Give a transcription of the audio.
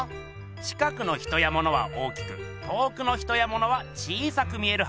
近くの人やものは大きく遠くの人やものは小さく見えるはずが。